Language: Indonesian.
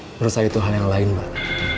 menurut saya itu hal yang lain mbak